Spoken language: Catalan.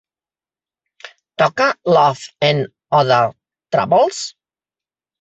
Toca Love and Other Troubles?